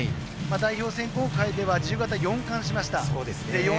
代表選考会では自由形４冠しました。